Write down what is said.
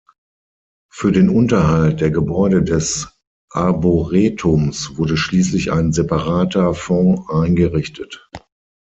Für den Unterhalt der Gebäude des Arboretums wurde schließlich ein separater Fond eingerichtet.